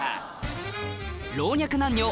老若男女